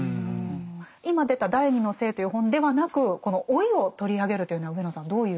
今出た「第二の性」という本ではなくこの「老い」を取り上げるというのは上野さんどういう？